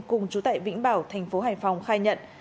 cùng chú tại vĩnh bảo thành phố hải phòng khai nhận